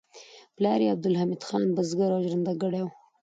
پلار یې عبدالحمید خان بزګر او ژرندګړی و